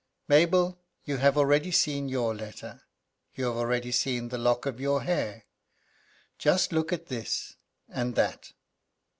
"Mabel, you have already seen your letter. You have already seen the lock of your hair. Just look at this and that."